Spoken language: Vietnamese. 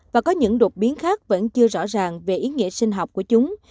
và có những đột biến khác vẫn chưa rõ ràng về ý nghĩa sinh học của chúng